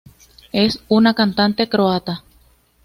Es una cantante croata.